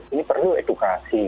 ini perlu edukasi